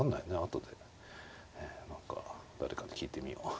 後で何か誰かに聞いてみよう。